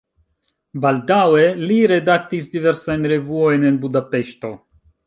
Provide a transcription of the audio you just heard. Baldaŭe li redaktis diversajn revuojn en Budapeŝto.